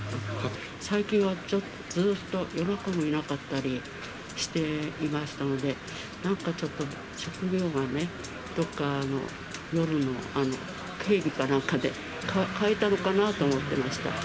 最近はずっと夜中もいなかったりしていましたので、なんかちょっと、職業がね、どっか夜の警備かなんかで、変えたのかなと思ってました。